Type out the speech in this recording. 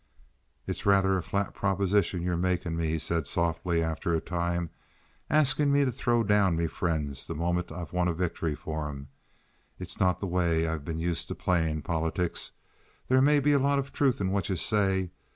"It's rather a flat proposition you're makin' me," he said softly, after a time, "askin' me to throw down me friends the moment I've won a victory for 'em. It's not the way I've been used to playin' politics. There may be a lot of truth in what you say.